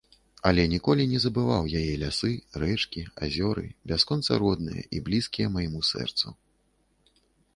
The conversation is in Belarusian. Але ніколі не забываў яе лясы, рэчкі, азёры, бясконца родныя і блізкія майму сэрцу.